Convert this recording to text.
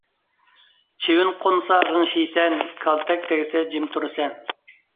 چىۋىن قونسا غىڭشىيسەن، كالتەك تەگسە جىم تۇرىسەن